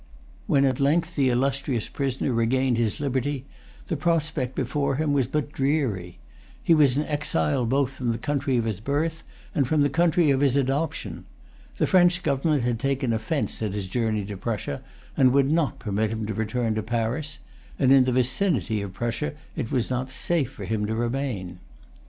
When at length the illustrious prisoner regained his liberty, the prospect before him was but dreary. He was an exile both from the country of his birth and from the country of his adoption. The French government had taken offence at his journey to Prussia, and would not permit him to return to Paris; and in the vicinity of Prussia it was not safe for him to remain.